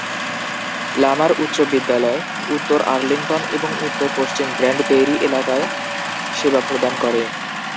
লামার উচ্চ বিদ্যালয় উত্তর আর্লিংটন এবং উত্তর-পশ্চিম গ্র্যান্ড প্রেইরি এলাকায় সেবা প্রদান করে।